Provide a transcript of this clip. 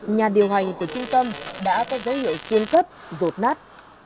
nhà điều hành của trung tâm đã có giới hiệu tiên cấp rột nát